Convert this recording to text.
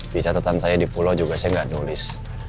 di catatan saya di pulau juga saya nggak nulis